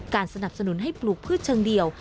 สนับสนุนให้ปลูกพืชเชิงเดียว